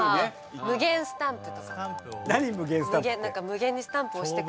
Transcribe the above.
無限スタンプって。